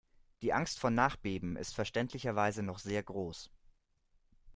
Die Angst vor Nachbeben ist verständlicherweise noch sehr groß.